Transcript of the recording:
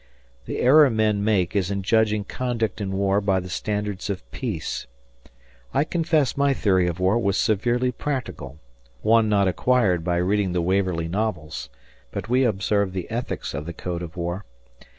The error men make is in judging conduct in war by the standards of peace. I confess my theory of war was severely practical one not acquired by reading the Waverley novels but we observed the ethics of the code of war.